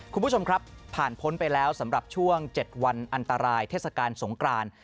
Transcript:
คุณผู้ชมครับผ่านพ้นไปแล้วสำหรับช่วง๗วันอันตรายเทศกาลสงกราน